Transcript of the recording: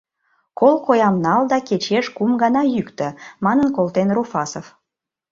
— Кол коям нал да кечеш кум гана йӱктӧ, — манын колтен Руфасов.